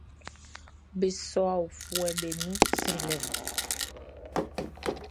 Be sɔ aofuɛʼm be nun srilɛ nun.